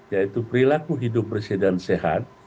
yaitu perilaku hidup bersih dan sehat